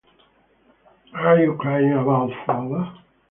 Are you crying about father?